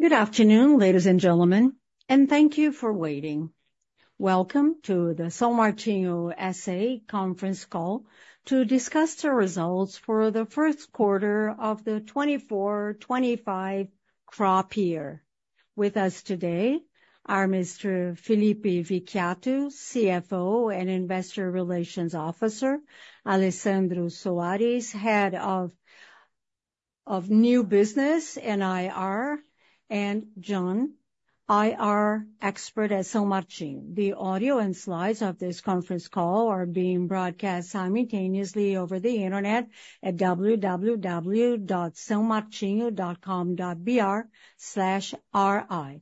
Good afternoon, ladies and gentlemen, and thank you for waiting. Welcome to the São Martinho S.A. conference call to discuss the results for the first quarter of the 24/25 crop year. With us today are Mr. Felipe Vicchiato, CFO and Investor Relations Officer, Alessandro Soares, Head of New Business and IR, and John, IR expert at São Martinho. The audio and slides of this conference call are being broadcast simultaneously over the Internet at www.saomartinho.com.br/ri.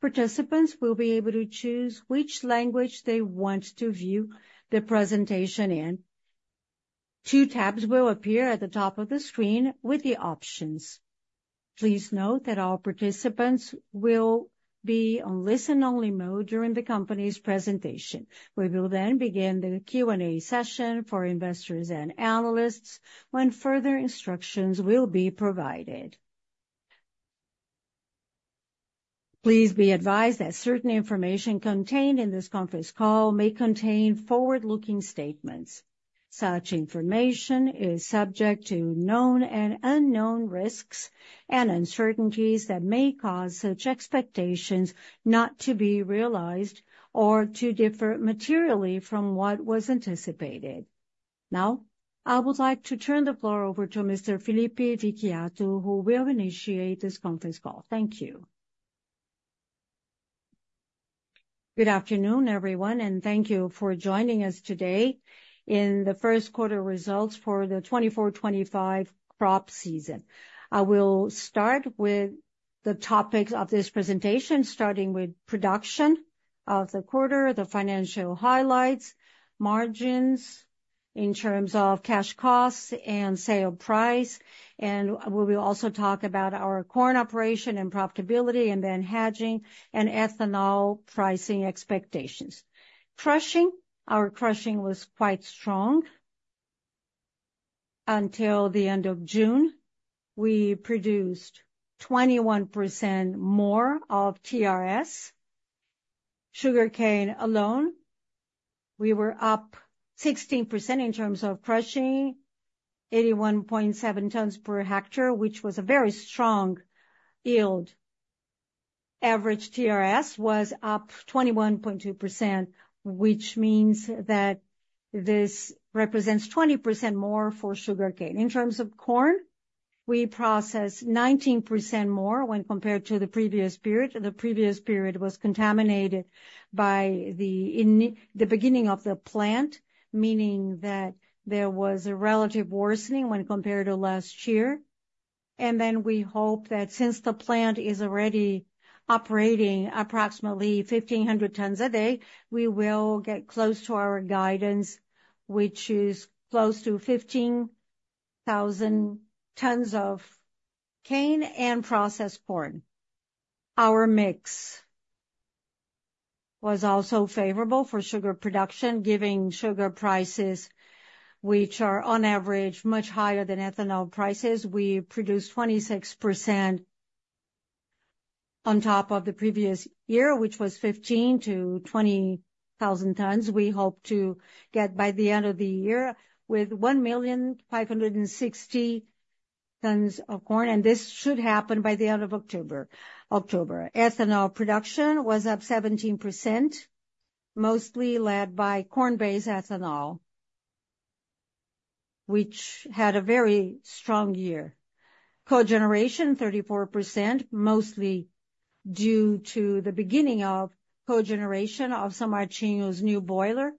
Participants will be able to choose which language they want to view the presentation in. Two tabs will appear at the top of the screen with the options. Please note that all participants will be on listen-only mode during the company's presentation. We will then begin the Q&A session for investors and analysts, when further instructions will be provided. Please be advised that certain information contained in this conference call may contain forward-looking statements. Such information is subject to known and unknown risks and uncertainties that may cause such expectations not to be realized or to differ materially from what was anticipated. Now, I would like to turn the floor over to Mr. Felipe Vicchiato, who will initiate this conference call. Thank you. Good afternoon, everyone, and thank you for joining us today in the first quarter results for the 2024/2025 crop season. I will start with the topics of this presentation, starting with production of the quarter, the financial highlights, margins in terms of cash costs and sale price, and we will also talk about our corn operation and profitability and then hedging and ethanol pricing expectations. Crushing. Our crushing was quite strong until the end of June. We produced 21% more of TRS. Sugarcane alone, we were up 16% in terms of crushing, 81.7 tons per hectare, which was a very strong yield. Average TRS was up 21.2%, which means that this represents 20% more for sugarcane. In terms of corn, we processed 19% more when compared to the previous period. The previous period was contaminated by the beginning of the plant, meaning that there was a relative worsening when compared to last year. And then we hope that since the plant is already operating approximately 1,500 tons a day, we will get close to our guidance, which is close to 15,000 tons of cane and processed corn. Our mix was also favorable for sugar production, given sugar prices, which are on average, much higher than ethanol prices. We produced 26% on top of the previous year, which was 15,000-20,000 tons. We hope to get by the end of the year with 1,000,560 tons of corn, and this should happen by the end of October. Ethanol production was up 17%, mostly led by corn-based ethanol, which had a very strong year. Cogeneration, 34%, mostly due to the beginning of cogeneration of São Martinho's new boiler.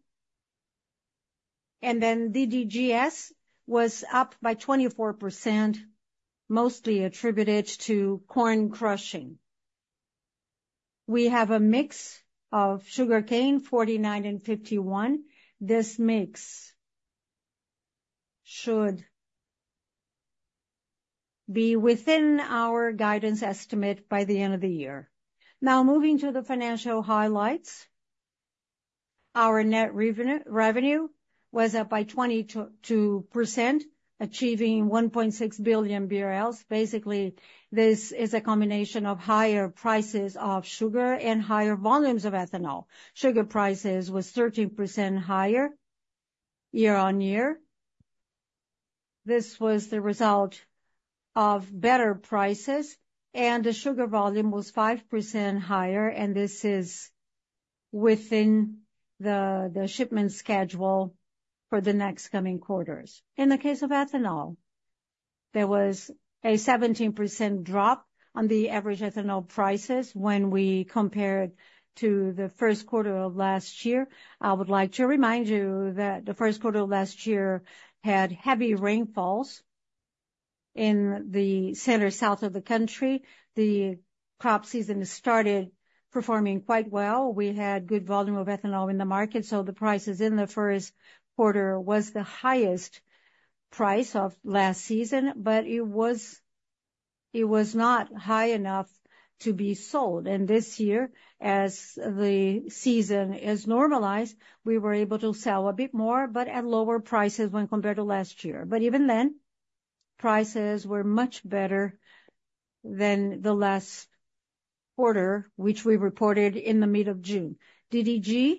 And then DDGS was up by 24%, mostly attributed to corn crushing. We have a mix of sugarcane, 49 and 51. This mix should be within our guidance estimate by the end of the year. Now, moving to the financial highlights. Our net revenue was up by 20% to 1.6 billion BRL. Basically, this is a combination of higher prices of sugar and higher volumes of ethanol. Sugar prices was 13% higher year-on-year. This was the result of better prices, and the sugar volume was 5% higher, and this is within the shipment schedule for the next coming quarters. In the case of ethanol, there was a 17% drop on the average ethanol prices when we compared to the first quarter of last year. I would like to remind you that the first quarter of last year had heavy rainfalls in the Center-South of the country. The crop season started performing quite well. We had good volume of ethanol in the market, so the prices in the first quarter was the highest price of last season, but it was not high enough to be sold. This year, as the season is normalized, we were able to sell a bit more, but at lower prices when compared to last year. But even then, prices were much better than the last quarter, which we reported in the mid of June. DDGS,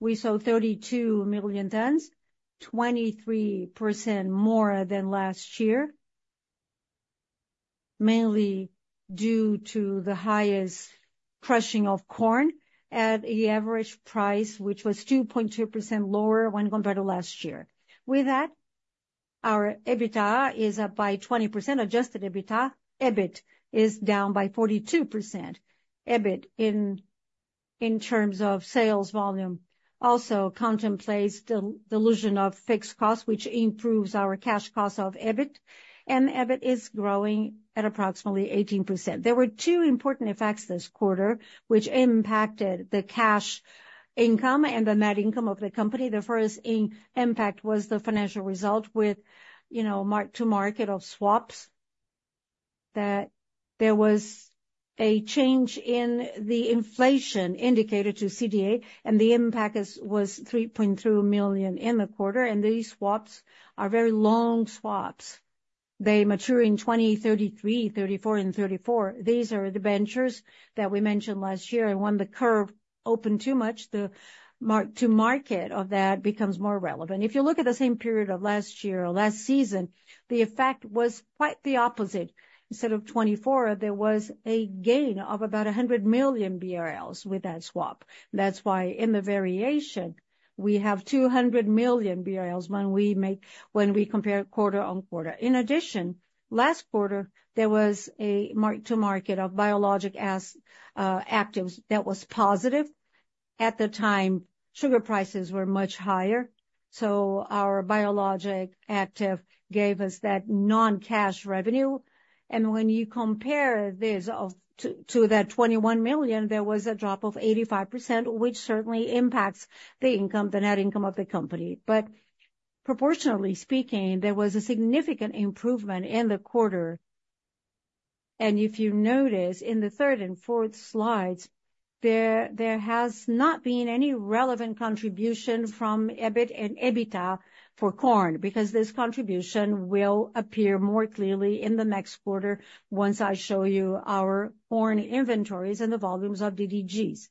we sold 32 million tons, 23% more than last year, mainly due to the highest crushing of corn at an average price, which was 2.2% lower when compared to last year. With that, our EBITDA is up by 20%. Adjusted EBITDA, EBIT, is down by 42%. EBIT, in terms of sales volume, also contemplates the dilution of fixed costs, which improves our cash cost of EBIT. And EBIT is growing at approximately 18%. There were two important effects this quarter, which impacted the cash income and the net income of the company. The first impact was the financial result with, you know, mark-to-market of swaps, that there was a change in the inflation indicator to CDI, and the impact was 3.2 million in the quarter. These swaps are very long swaps. They mature in 2033, 2034, and 2034. These are the ventures that we mentioned last year, and when the curve opened too much, the mark-to-market of that becomes more relevant. If you look at the same period of last year or last season, the effect was quite the opposite. Instead of 24, there was a gain of about 100 million BRL with that swap. That's why in the variation, we have 200 million BRL when we compare quarter-over-quarter. In addition, last quarter, there was a mark-to-market of biological assets that was positive. At the time, sugar prices were much higher, so our biological asset gave us that non-cash revenue. And when you compare this to that 21 million, there was a drop of 85%, which certainly impacts the income, the net income of the company. But proportionately speaking, there was a significant improvement in the quarter. And if you notice in the third and fourth slides, there has not been any relevant contribution from EBIT and EBITDA for corn, because this contribution will appear more clearly in the next quarter once I show you our corn inventories and the volumes of DDGS.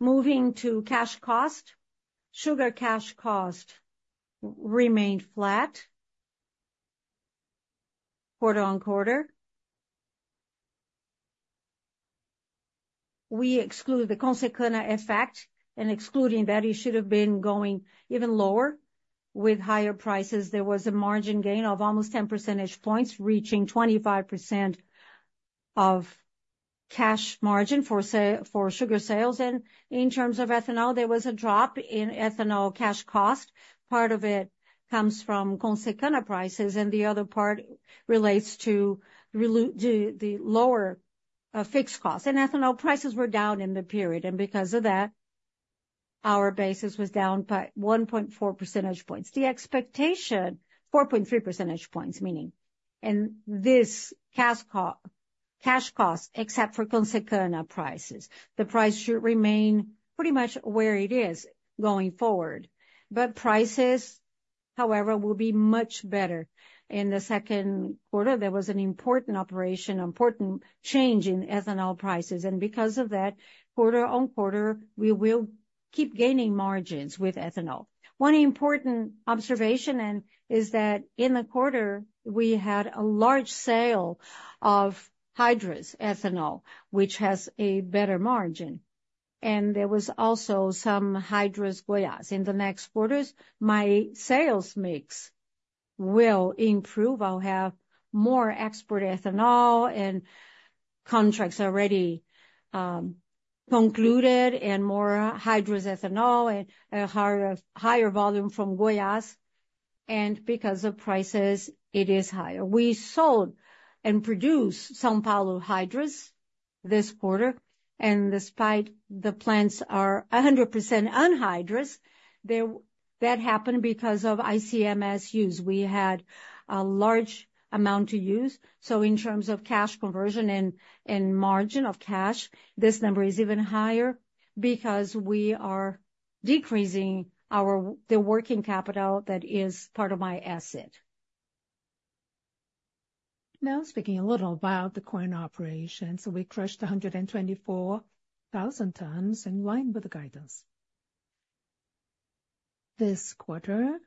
Moving to cash cost. Sugar cash cost remained flat quarter-on-quarter. We exclude the Consecana effect, and excluding that, it should have been going even lower. With higher prices, there was a margin gain of almost 10 percentage points, reaching 25% of cash margin for sugar sales. In terms of ethanol, there was a drop in ethanol cash cost. Part of it comes from Consecana prices, and the other part relates to the lower fixed costs. Ethanol prices were down in the period, and because of that, our basis was down by 1.4 percentage points. The expectation—four point three percentage points, meaning, and this cash cost, except for Consecana prices, the price should remain pretty much where it is going forward. But prices, however, will be much better. In the second quarter, there was an important operation, important change in ethanol prices, and because of that, quarter-on-quarter, we will keep gaining margins with ethanol. One important observation then, is that in the quarter, we had a large sale of hydrous ethanol, which has a better margin, and there was also some hydrous Goiás. In the next quarters, my sales mix will improve. I'll have more export ethanol and contracts already concluded, and more hydrous ethanol and a higher, higher volume from Goiás, and because the prices, it is higher. We sold and produced São Paulo hydrous this quarter, and despite the plants are 100% anhydrous, there, that happened because of ICMS use. We had a large amount to use, so in terms of cash conversion and, and margin of cash, this number is even higher because we are decreasing our, the working capital that is part of my asset. Now, speaking a little about the corn operation. So we crushed 124,000 tons, in line with the guidance. This quarter,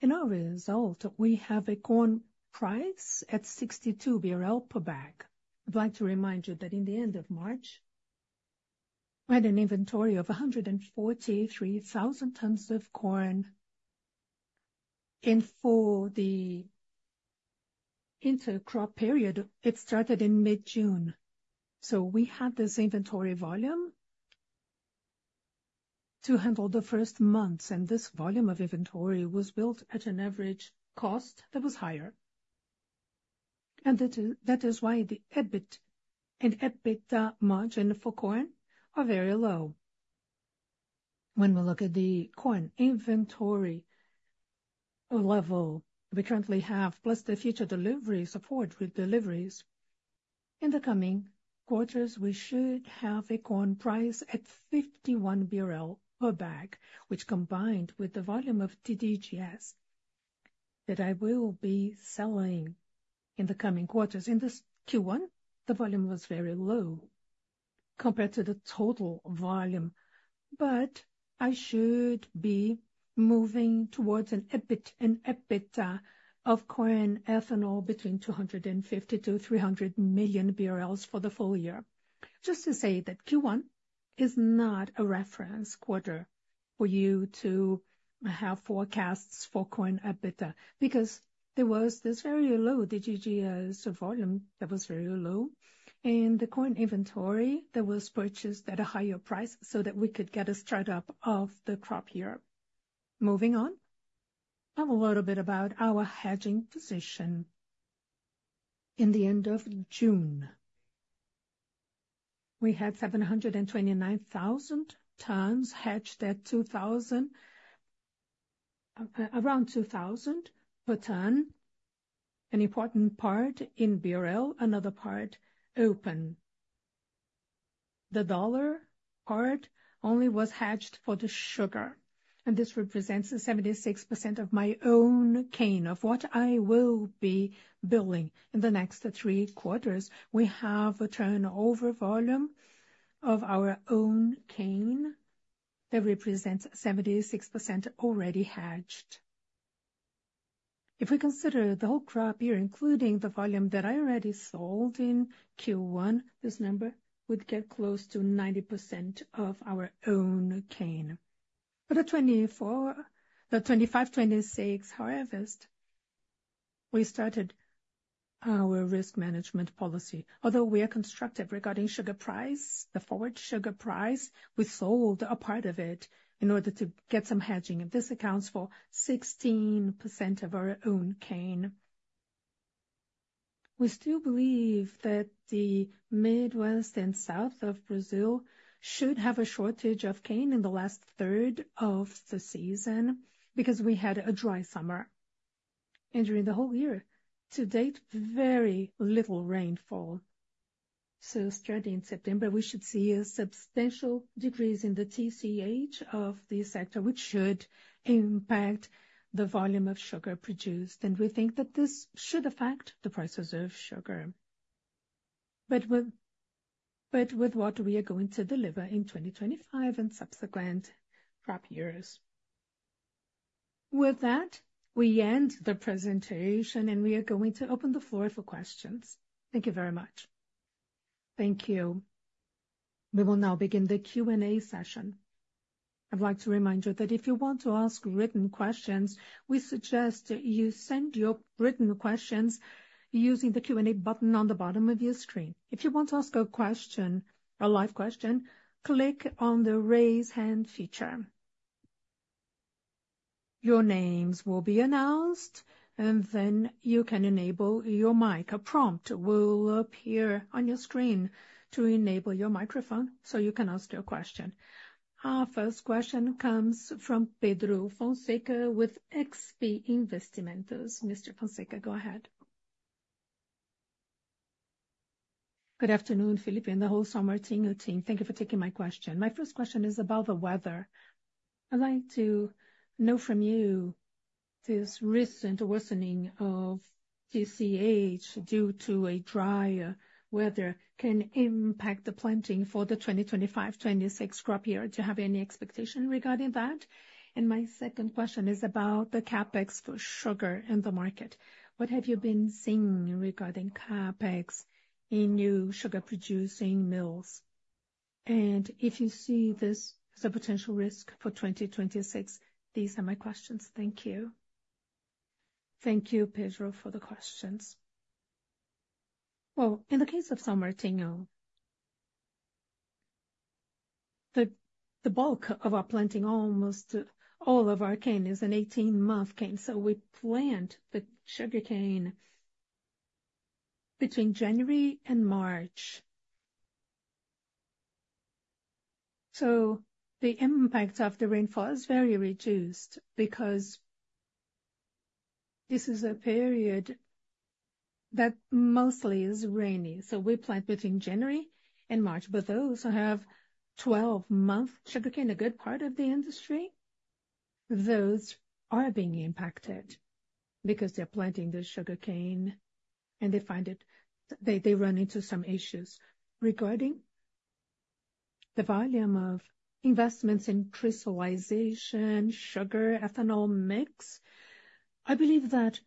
in our result, we have a corn price at 62 BRL per bag. I'd like to remind you that in the end of March, we had an inventory of 143,000 tons of corn. And for the intercrop period, it started in mid-June. So we had this inventory volume to handle the first months, and this volume of inventory was built at an average cost that was higher. And that is, that is why the EBIT and EBITDA margin for corn are very low. When we look at the corn inventory level we currently have, plus the future delivery support with deliveries, in the coming quarters, we should have a corn price at 51 BRL per bag, which, combined with the volume of DDGs-... that I will be selling in the coming quarters. In this Q1, the volume was very low compared to the total volume, but I should be moving towards an EBIT and EBITDA of corn ethanol between 250 million-300 million for the full year. Just to say that Q1 is not a reference quarter for you to have forecasts for corn EBITDA, because there was this very low, the DGGS, so volume that was very low, and the corn inventory that was purchased at a higher price so that we could get a start up of the crop year. Moving on, a little bit about our hedging position. In the end of June, we had 729,000 tons hedged at 2,000, around 2,000 per ton, an important part in BRL, another part open. The dollar part only was hedged for the sugar, and this represents 76% of my own cane, of what I will be billing in the next three quarters. We have a turnover volume of our own cane that represents 76% already hedged. If we consider the whole crop year, including the volume that I already sold in Q1, this number would get close to 90% of our own cane. For the 2024-- the 2025, 2026 harvest, we started our risk management policy. Although we are constructive regarding sugar price, the forward sugar price, we sold a part of it in order to get some hedging, and this accounts for 16% of our own cane. We still believe that the Midwest and South of Brazil should have a shortage of cane in the last third of the season, because we had a dry summer. And during the whole year to date, very little rainfall. So starting in September, we should see a substantial decrease in the TCH of the sector, which should impact the volume of sugar produced. And we think that this should affect the prices of sugar, but with, but with what we are going to deliver in 2025 and subsequent crop years. With that, we end the presentation and we are going to open the floor for questions. Thank you very much. Thank you. We will now begin the Q&A session. I'd like to remind you that if you want to ask written questions, we suggest you send your written questions using the Q&A button on the bottom of your screen. If you want to ask a question, a live question, click on the Raise Hand feature. Your names will be announced, and then you can enable your mic. A prompt will appear on your screen to enable your microphone so you can ask your question. Our first question comes from Pedro Fonseca with XP Investimentos. Mr. Fonseca, go ahead. Good afternoon, Felipe, and the whole São Martinho team. Thank you for taking my question. My first question is about the weather. I'd like to know from you, this recent worsening of TCH due to a drier weather can impact the planting for the 2025, 2026 crop year. Do you have any expectation regarding that? And my second question is about the CapEx for sugar in the market. What have you been seeing regarding CapEx in new sugar-producing mills? And if you see this as a potential risk for 2026, these are my questions. Thank you. Thank you, Pedro, for the questions. Well, in the case of São Martinho, the bulk of our planting, almost all of our cane is an eighteen-month cane, so we plant the sugarcane between January and March. So the impact of the rainfall is very reduced, because this is a period that mostly is rainy, so we plant between January and March. But those who have twelve-month sugarcane, a good part of the industry, those are being impacted because they're planting the sugarcane, and they find it, they run into some issues. Regarding the volume of investments in crystallization, sugar, ethanol mix, I believe that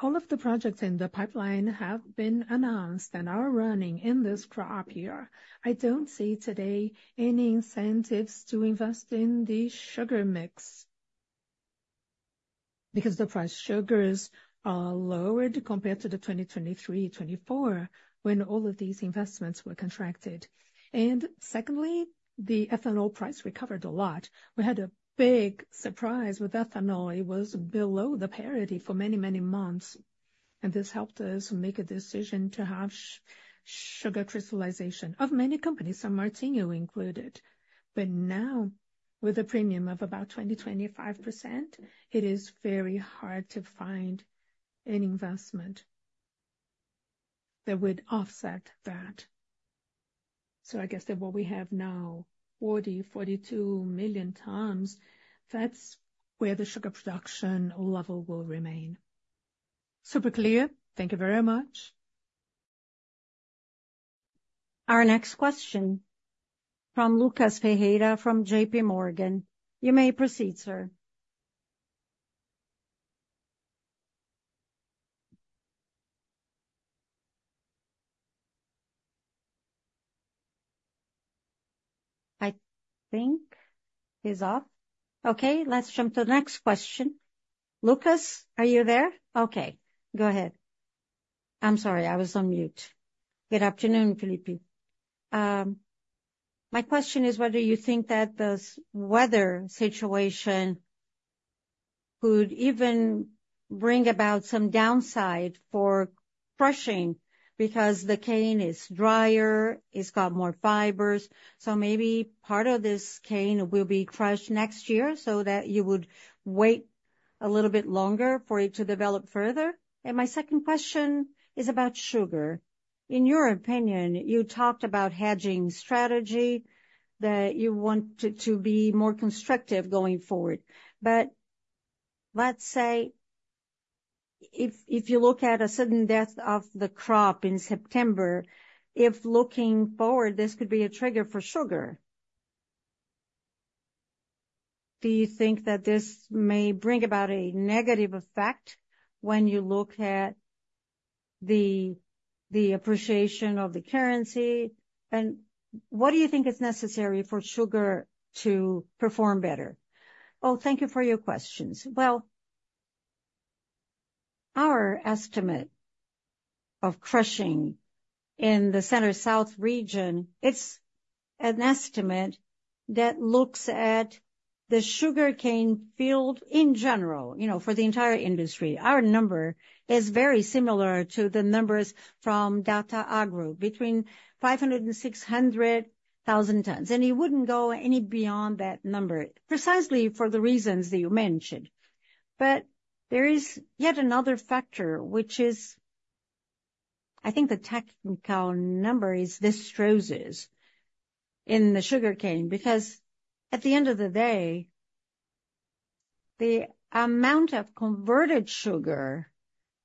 all of the projects in the pipeline have been announced and are running in this crop year. I don't see today any incentives to invest in the sugar mix, because the sugar prices are lower compared to the 2023, 2024, when all of these investments were contracted. Secondly, the ethanol price recovered a lot. We had a big surprise with ethanol. It was below the parity for many, many months, and this helped us make a decision to have sugar crystallization of many companies, São Martinho included. But now, with a premium of about 20-25%, it is very hard to find an investment.... that would offset that. So I guess that what we have now, 40-42 million tons, that's where the sugar production level will remain. Super clear. Thank you very much. Our next question from Lucas Ferreira from J.P. Morgan. You may proceed, sir. I think he's off. Okay, let's jump to the next question. Lucas, are you there? Okay, go ahead. I'm sorry, I was on mute. Good afternoon, Felipe. My question is, whether you think that this weather situation could even bring about some downside for crushing because the cane is drier, it's got more fibers, so maybe part of this cane will be crushed next year, so that you would wait a little bit longer for it to develop further? And my second question is about sugar. In your opinion, you talked about hedging strategy, that you want it to be more constructive going forward. But let's say, if you look at a sudden death of the crop in September, if looking forward, this could be a trigger for sugar. Do you think that this may bring about a negative effect when you look at the, the appreciation of the currency? And what do you think is necessary for sugar to perform better? Oh, thank you for your questions. Well, our estimate of crushing in the Center-South region, it's an estimate that looks at the sugarcane field in general, you know, for the entire industry. Our number is very similar to the numbers from Datagro, between 500,000 and 600,000 tons, and it wouldn't go any beyond that number, precisely for the reasons that you mentioned. But there is yet another factor, which is, I think the technical number is this doses in the sugarcane, because at the end of the day, the amount of converted sugar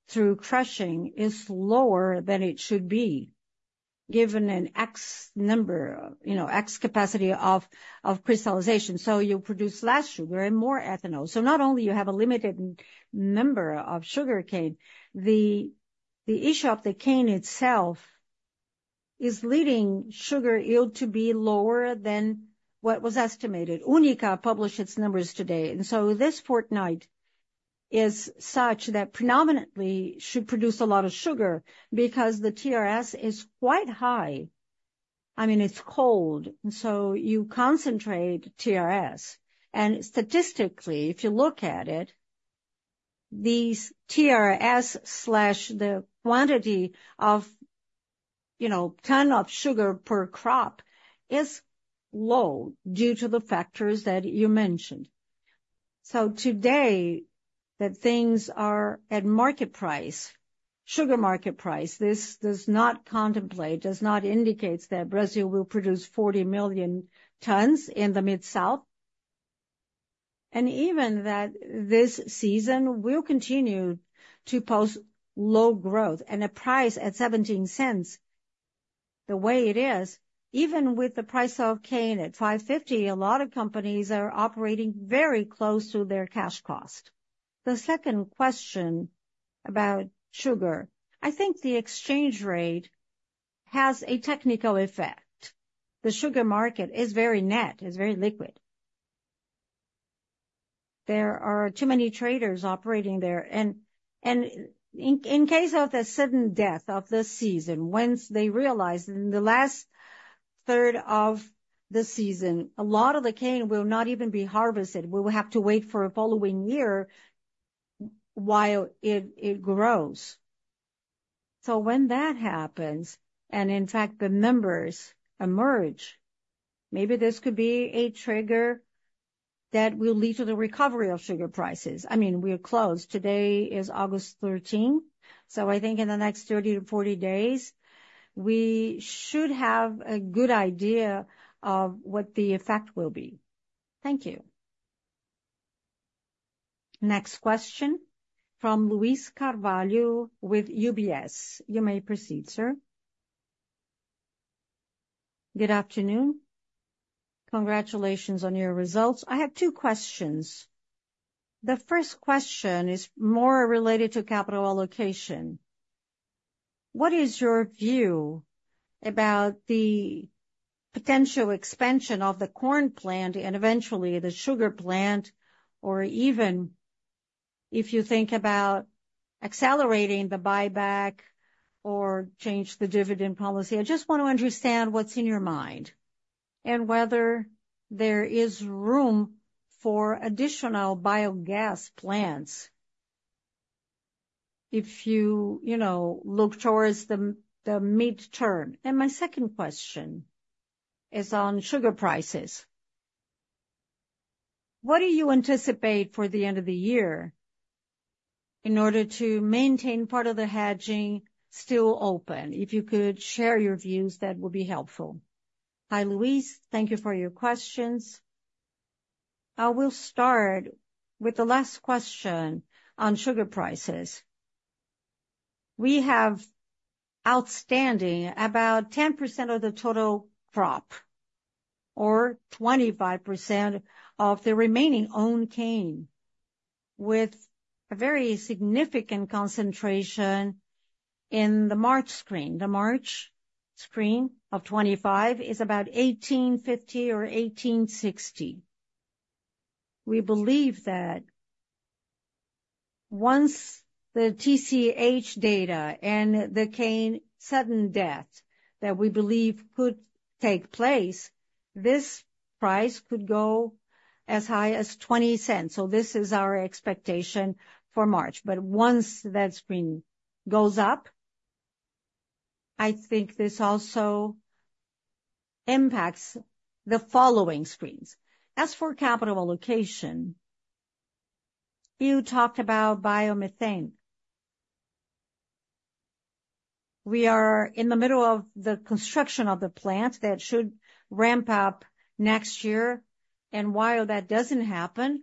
through crushing is lower than it should be, given an X number, you know, X capacity of crystallization. So you produce less sugar and more ethanol. So not only you have a limited number of sugarcane, the issue of the cane itself is leading sugar yield to be lower than what was estimated. UNICA published its numbers today, and so this fortnight is such that predominantly should produce a lot of sugar because the TRS is quite high. I mean, it's cold, so you concentrate TRS. And statistically, if you look at it, these TRS slash the quantity of, you know, ton of sugar per crop is low due to the factors that you mentioned. So today, that things are at market price, sugar market price, this does not contemplate, does not indicate that Brazil will produce 40 million tons in the Center-South. And even that, this season will continue to post low growth and a price at $0.17. The way it is, even with the price of cane at 550, a lot of companies are operating very close to their cash cost. The second question about sugar, I think the exchange rate has a technical effect. The sugar market is very net, it's very liquid. There are too many traders operating there, and, and in, in case of the sudden death of the season, once they realize in the last third of the season, a lot of the cane will not even be harvested. We will have to wait for a following year while it, it grows. So when that happens, and in fact, the numbers emerge, maybe this could be a trigger that will lead to the recovery of sugar prices. I mean, we're close. Today is August 13, so I think in the next 30-40 days, we should have a good idea of what the effect will be. Thank you. Next question from Luiz Carvalho with UBS. You may proceed, sir. Good afternoon. Congratulations on your results. I have two questions. The first question is more related to capital allocation. What is your view about the potential expansion of the corn plant and eventually the sugar plant, or even if you think about accelerating the buyback or change the dividend policy? I just want to understand what's in your mind and whether there is room for additional biogas plants if you, you know, look towards the midterm. My second question is on sugar prices.... What do you anticipate for the end of the year in order to maintain part of the hedging still open? If you could share your views, that would be helpful. Hi, Luiz. Thank you for your questions. I will start with the last question on sugar prices. We have outstanding about 10% of the total crop, or 25% of the remaining own cane, with a very significant concentration in the March screen. The March screen of 25 is about $0.1850 or $0.1860. We believe that once the TCH data and the cane sudden death that we believe could take place, this price could go as high as $0.20. So this is our expectation for March. But once that screen goes up, I think this also impacts the following screens. As for capital allocation, you talked about biomethane. We are in the middle of the construction of the plant that should ramp up next year, and while that doesn't happen,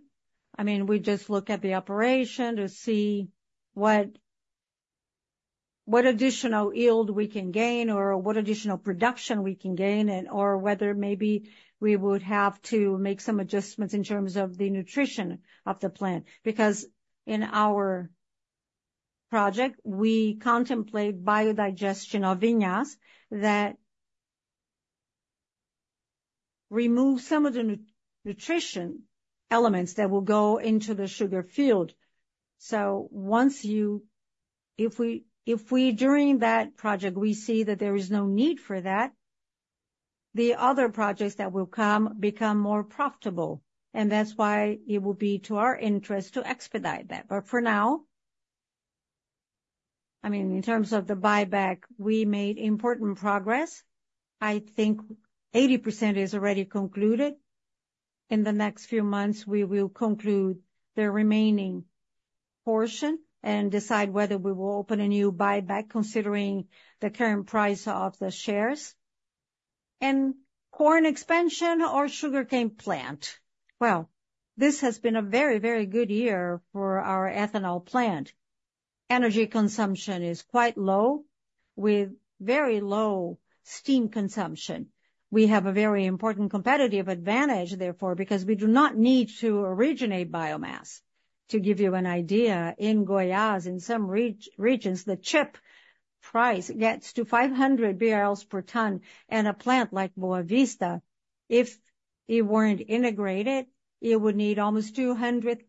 I mean, we just look at the operation to see what additional yield we can gain or what additional production we can gain, and or whether maybe we would have to make some adjustments in terms of the nutrition of the plant. Because in our project, we contemplate biodigestion of vinasse that remove some of the nutrition elements that will go into the sugar field. So if we, during that project, we see that there is no need for that, the other projects that will come become more profitable, and that's why it will be to our interest to expedite that. But for now, I mean, in terms of the buyback, we made important progress. I think 80% is already concluded. In the next few months, we will conclude the remaining portion and decide whether we will open a new buyback, considering the current price of the shares. Corn expansion or sugarcane plant. Well, this has been a very, very good year for our ethanol plant. Energy consumption is quite low, with very low steam consumption. We have a very important competitive advantage, therefore, because we do not need to originate biomass. To give you an idea, in Goiás, in some regions, the chip price gets to 500 barrels per ton, and a plant like Boa Vista, if it weren't integrated, it would need almost 200,000,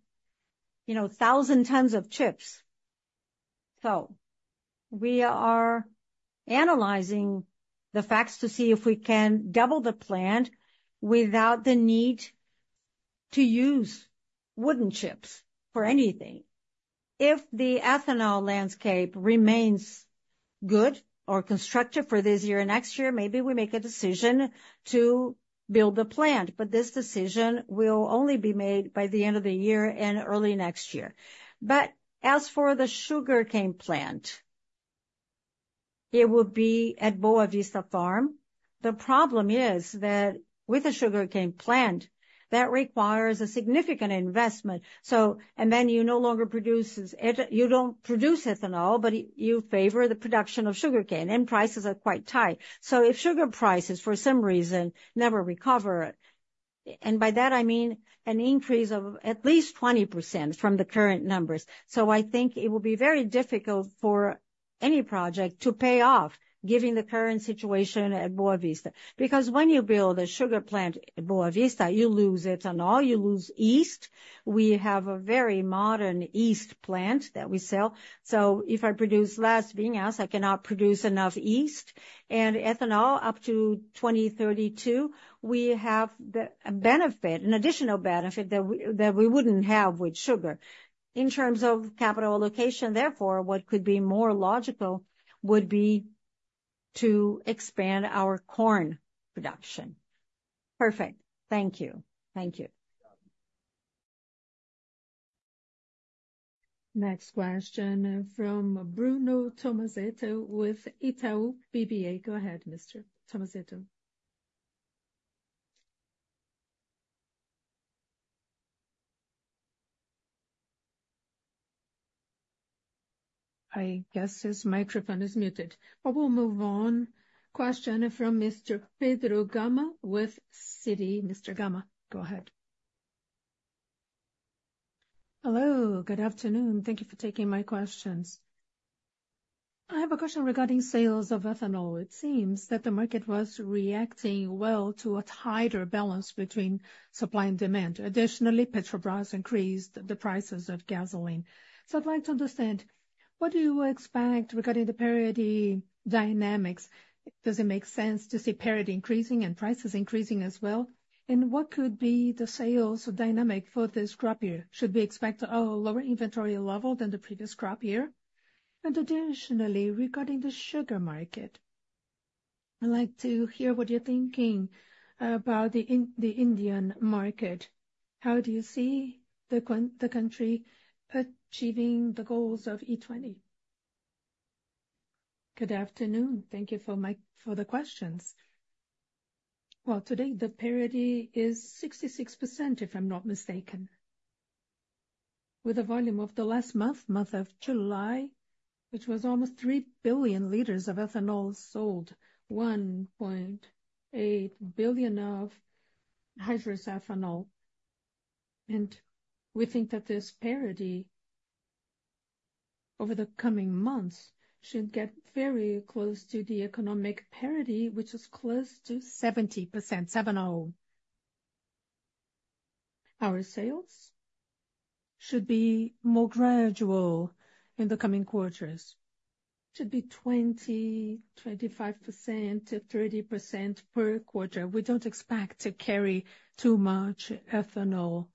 you know, tons of chips. So we are analyzing the facts to see if we can double the plant without the need to use wood chips for anything. If the ethanol landscape remains good or constructive for this year and next year, maybe we make a decision to build the plant, but this decision will only be made by the end of the year and early next year. But as for the sugarcane plant, it will be at Boa Vista Farm. The problem is that with the sugarcane plant, that requires a significant investment, so and then you no longer produce ethanol, you don't produce ethanol, but you favor the production of sugarcane, and prices are quite tight. So if sugar prices, for some reason, never recover, and by that I mean an increase of at least 20% from the current numbers. So I think it will be very difficult for any project to pay off, given the current situation at Boa Vista. Because when you build a sugar plant at Boa Vista, you lose ethanol, you lose yeast. We have a very modern yeast plant that we sell. So if I produce less vinasse, I cannot produce enough yeast and ethanol up to 2032, we have the benefit, an additional benefit, that we, that we wouldn't have with sugar. In terms of capital allocation, therefore, what could be more logical would be to expand our corn production. Perfect. Thank you. Thank you. Next question from Bruno Tomazetto with Itaú BBA. Go ahead, Mr. Tomazetto. I guess his microphone is muted, but we'll move on. Question from Mr. Pedro Gama with Citi. Mr. Gama, go ahead. Hello, good afternoon. Thank you for taking my questions. I have a question regarding sales of ethanol. It seems that the market was reacting well to a tighter balance between supply and demand. Additionally, Petrobras increased the prices of gasoline. So I'd like to understand, what do you expect regarding the parity dynamics? Does it make sense to see parity increasing and prices increasing as well? And what could be the sales dynamic for this crop year? Should we expect a lower inventory level than the previous crop year? And additionally, regarding the sugar market...... I'd like to hear what you're thinking about the Indian market. How do you see the country achieving the goals of E20? Good afternoon. Thank you for the questions. Well, today, the parity is 66%, if I'm not mistaken. With the volume of the last month, month of July, which was almost 3 billion liters of ethanol sold, 1.8 billion of hydrous ethanol. And we think that this parity, over the coming months, should get very close to the economic parity, which is close to 70%, 70. Our sales should be more gradual in the coming quarters. Should be 20, 25%-30% per quarter. We don't expect to carry too much ethanol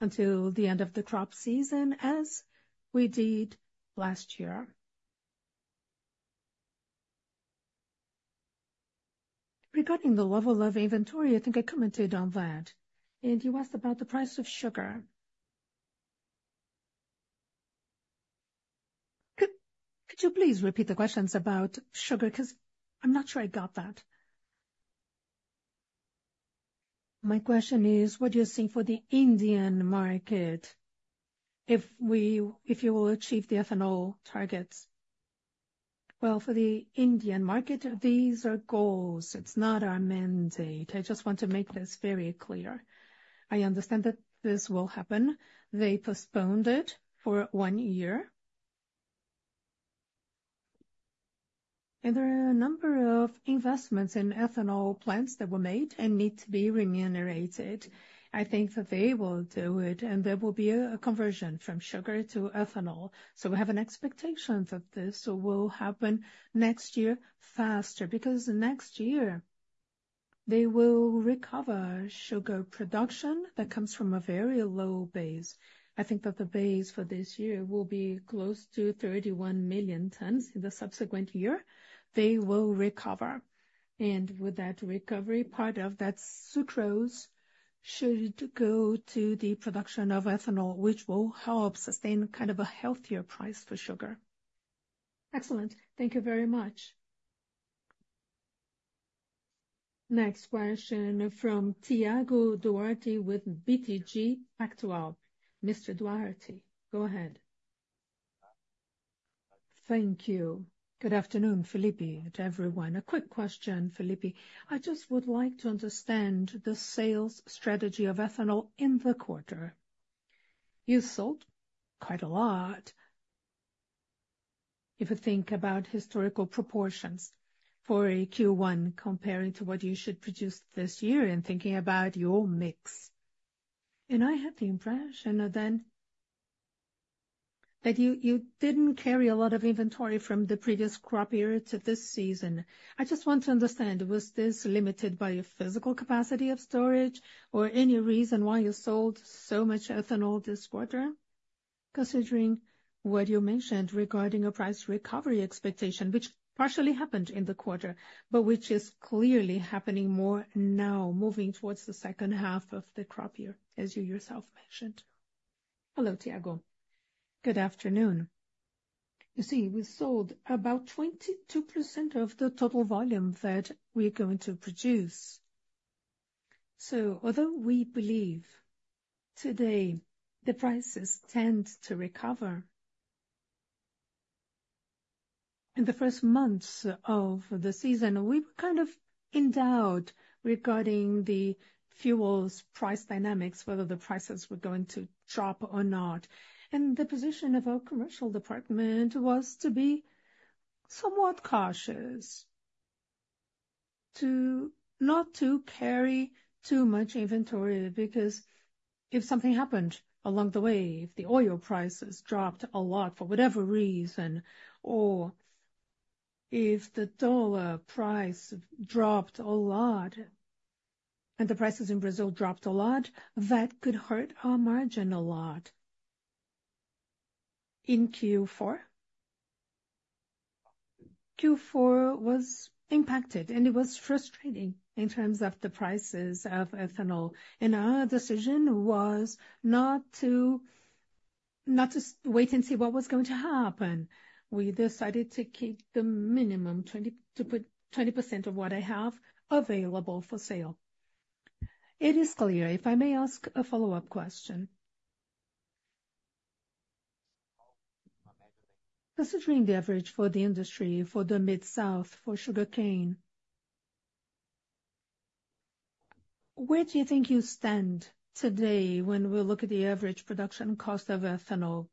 until the end of the crop season, as we did last year. Regarding the level of inventory, I think I commented on that, and you asked about the price of sugar. Could you please repeat the questions about sugar? 'Cause I'm not sure I got that. My question is, what do you see for the Indian market, if we, if you will achieve the ethanol targets? Well, for the Indian market, these are goals. It's not our mandate. I just want to make this very clear. I understand that this will happen. They postponed it for one year. There are a number of investments in ethanol plants that were made and need to be remunerated. I think that they will do it, and there will be a conversion from sugar to ethanol. We have an expectation that this will happen next year faster, because the next year, they will recover sugar production that comes from a very low base. I think that the base for this year will be close to 31 million tons. In the subsequent year, they will recover. With that recovery, part of that sucrose should go to the production of ethanol, which will help sustain kind of a healthier price for sugar. Excellent. Thank you very much. Next question from Thiago Duarte with BTG Pactual. Mr. Duarte, go ahead. Thank you. Good afternoon, Felipe, and to everyone. A quick question, Felipe. I just would like to understand the sales strategy of ethanol in the quarter. You sold quite a lot, if you think about historical proportions for a Q1, comparing to what you should produce this year and thinking about your mix. And I had the impression then, that you didn't carry a lot of inventory from the previous crop year to this season. I just want to understand, was this limited by your physical capacity of storage or any reason why you sold so much ethanol this quarter? Considering what you mentioned regarding a price recovery expectation, which partially happened in the quarter, but which is clearly happening more now, moving towards the second half of the crop year, as you yourself mentioned. Hello, Thiago. Good afternoon. You see, we sold about 22% of the total volume that we're going to produce. So although we believe today the prices tend to recover, in the first months of the season, we were kind of in doubt regarding the fuel's price dynamics, whether the prices were going to drop or not. And the position of our commercial department was to be somewhat cautious to not carry too much inventory, because if something happened along the way, if the oil prices dropped a lot for whatever reason, or if the dollar price dropped a lot, and the prices in Brazil dropped a lot, that could hurt our margin a lot. In Q4? Q4 was impacted, and it was frustrating in terms of the prices of ethanol. And our decision was not to wait and see what was going to happen. We decided to keep the minimum 20, to put 20% of what I have available for sale. It is clear. If I may ask a follow-up question. Considering the average for the industry, for the Center-South, for sugarcane, where do you think you stand today when we look at the average production cost of ethanol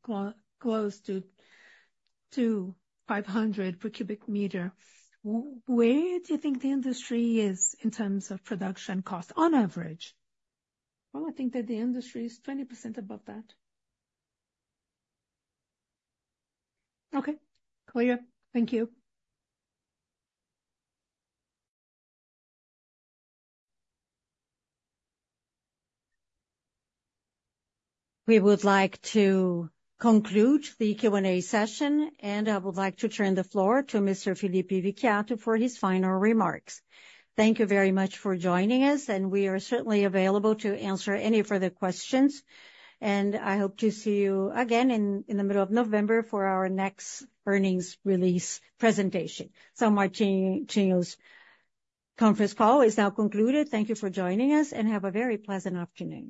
close to 500 per cubic meter? Where do you think the industry is in terms of production cost, on average? Well, I think that the industry is 20% above that. Okay, clear. Thank you. We would like to conclude the Q&A session, and I would like to turn the floor to Mr. Felipe Vicchiato for his final remarks. Thank you very much for joining us, and we are certainly available to answer any further questions. And I hope to see you again in the middle of November for our next earnings release presentation. So São Martinho's conference call is now concluded. Thank you for joining us, and have a very pleasant afternoon.